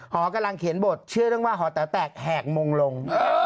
หอกำลังเขียนบทเชื่อเรื่องว่าหอแต๋วแตกแหกมงลง